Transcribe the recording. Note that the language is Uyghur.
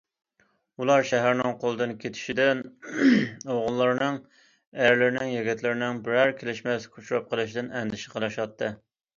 ئۇلار شەھەرنىڭ قولدىن كېتىشىدىن، ئوغۇللىرىنىڭ، ئەرلىرىنىڭ، يىگىتلىرىنىڭ بىرەر كېلىشمەسلىككە ئۇچراپ قېلىشىدىن ئەندىشە قىلىشاتتى.